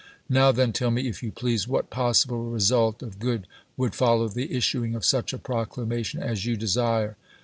.. Now, then, tell me, if you please, what possible result of good would follow the issuing of such a proclamation as you desire